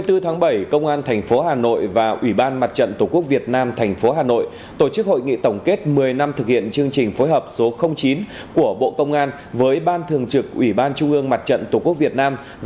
sáng nay hai mươi bốn tháng bảy công an tp hà nội và ủy ban mặt trận tổ quốc việt nam tp hà nội tổ chức hội nghị tổng kết một mươi năm thực hiện chương trình phối hợp số chín của bộ công an với ban thường trực ủy ban trung ương mặt trận tổ quốc việt nam